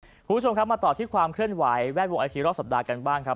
คุณผู้ชมครับมาต่อที่ความเคลื่อนไหวแวดวงไอทีรอบสัปดาห์กันบ้างครับ